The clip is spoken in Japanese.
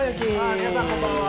皆さん、こんばんは。